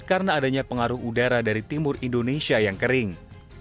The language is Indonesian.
karena adanya pengaruh udara dari timur indonesia yang kering